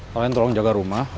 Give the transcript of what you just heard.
kalian tolong jaga rumah